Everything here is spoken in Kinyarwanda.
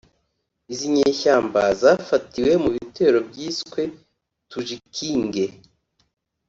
Izi nyeshyamba zafatiwe mu bitero byiswe ‘Tujikinge’